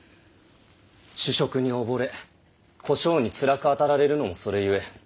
酒色に溺れ小姓につらくあたられるのもそれ故。